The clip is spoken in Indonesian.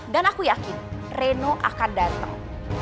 dan aku yakin reno akan datang